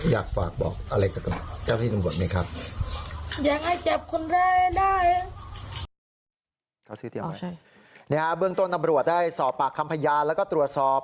อยากฝากบอกอะไรกับเจ้าที่ตำรวจไหมครับ